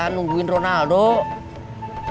tunggu sebentar ya